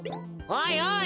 おいおい！